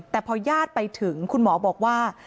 แต่พอญาติไปถึงคุณหมอบอกว่า